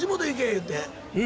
言うて。